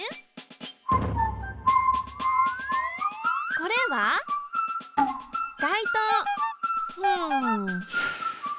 これは外灯。